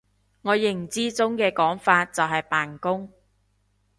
我認知中嘅講法就係扮工！